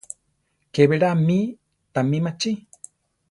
Ke berá mi tami machí.